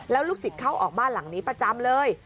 แล้วลูกศิษย์เข้าออกบ้านหลังนี้ประจำเลย